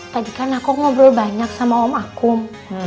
tadi kan aku ngobrol banyak sama om akum